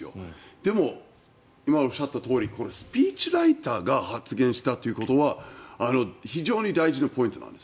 でも、今おっしゃったとおりスピーチライターが発言したということは非常に大事なポイントなんです。